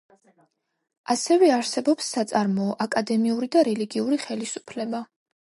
ასევე არსებობს საწარმოო, აკადემიური და რელიგიური ხელისუფლება.